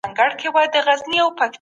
نوي ښوونځي او مدرسې جوړیدل.